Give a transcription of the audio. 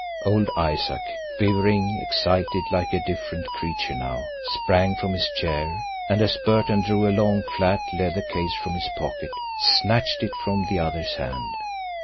Old Isaac, quivering, excited, like a different creature now, sprang from his chair, and, as Burton drew a long, flat, leather case from his pocket, snatched it from the other's hand.